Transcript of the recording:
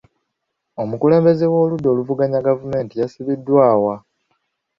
Omukulembeze w'oludda oluvuganya gavumenti yasibiddwa wa?